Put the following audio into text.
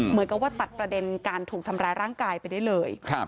เหมือนกับว่าตัดประเด็นการถูกทำร้ายร่างกายไปได้เลย